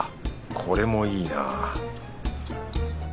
これもいいなぁ